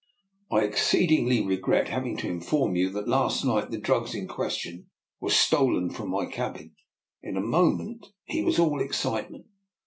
" I exceedingly regret having to inform you that last night the drugs in question were stolen from my cabin." In a moment he was all excitement.